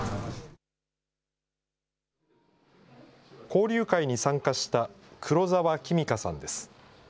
交流会に参加した黒澤仁香さんです。